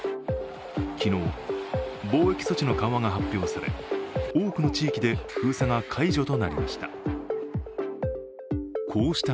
昨日、防疫措置の緩和が発表され多くの地域で封鎖が解除となりました。